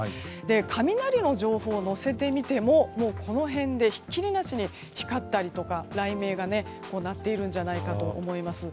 雷の情報を載せてみてもこの辺でひっきりなしに光ったりとか雷鳴が鳴っているんじゃないかと思います。